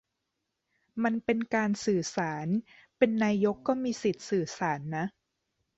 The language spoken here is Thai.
มันเป็นการสื่อสาร เป็นนายกก็มีสิทธิ์สื่อสารนะ